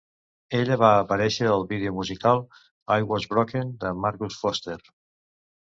Ella va aparèixer al vídeo musical "I was Broken" de Marcus Foster.